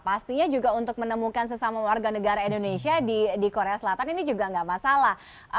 pastinya juga untuk menemukan sesama warga negara indonesia di korea selatan ini juga nggak masalah